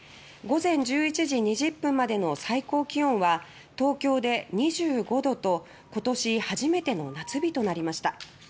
午前１１時２０分までの最高気温は東京で２５．２度と今年初めての夏日となりました。